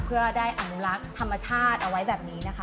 เพื่อได้อนุรักษ์ธรรมชาติเอาไว้แบบนี้นะคะ